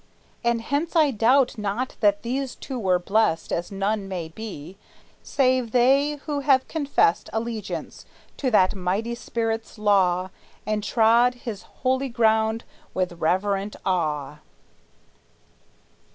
And hence I doubt not that these two were blest As none may be, save they who have confessed Allegiance to that mighty spirit's law, And trod his holy ground with reverent awe.